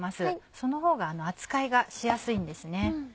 そのほうが扱いがしやすいんですね。